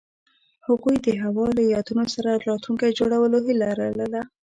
هغوی د هوا له یادونو سره راتلونکی جوړولو هیله لرله.